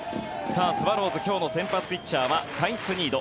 スワローズ、今日の先発ピッチャーはサイスニード